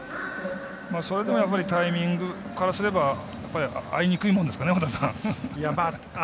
それでもタイミングからすれば合いにくいもんですかね和田さん。